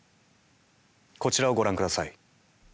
こちらをご覧ください。